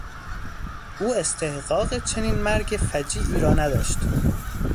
او استحقاق چنین مرگ فجیعی را نداشت.